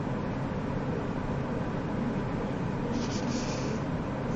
سیاسي ډلې د قانون پلي کیدو مخه نیسي